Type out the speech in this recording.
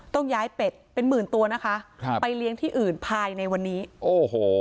ต้องย้ายเป็ดเป็นหมื่นตัวนะคะครับไปเลี้ยงที่อื่นภายในวันนี้โอ้โห